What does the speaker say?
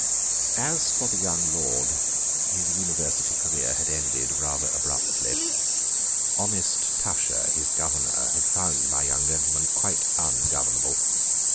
As for the young lord, his university career had ended rather abruptly. Honest Tusher, his governor, had found my young gentleman quite ungovernable.